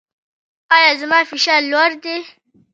ایا زما فشار لوړ دی؟